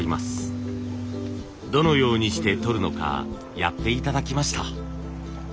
どのようにしてとるのかやって頂きました。